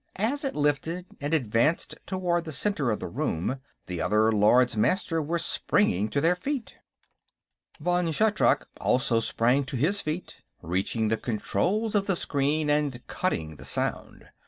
As it lifted and advanced toward the center of the room, the other Lords Master were springing to their feet. Vann Shatrak also sprang to his feet, reaching the controls of the screen and cutting the sound.